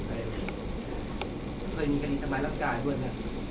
เคยมีการีสัมมาตย์รับกายด้วยมะ